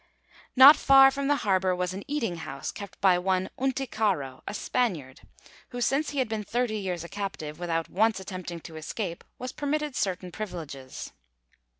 Not far from the harbour was an eating house kept by one Unticaro, a Spaniard, who since he had been thirty years a captive without once attempting to escape was permitted certain privileges.